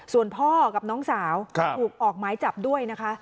ส่วนพ่อกับน้องสาวถูกออกหมายจับด้วยนะคะ